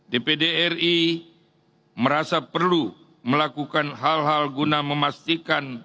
dpdri merasa perlu melakukan hal hal guna memastikan